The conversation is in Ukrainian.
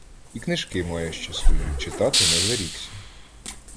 І книжки має ще свої, читати не зарікся.